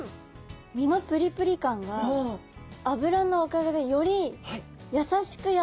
身のプリプリ感が脂のおかげでより優しくやわらかくなってるので。